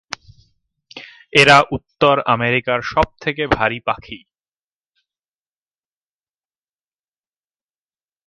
এরা উত্তর আমেরিকার সব থেকে ভারী পাখি।